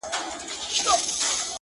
چي پر ټولو پاچهي کوي یو خدای دئ!!